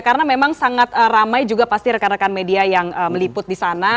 karena memang sangat ramai juga pasti rekan rekan media yang meliput di sana